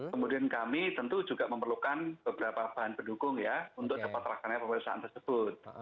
kemudian kami tentu juga memerlukan beberapa bahan pendukung ya untuk dapat terlaksana pemeriksaan tersebut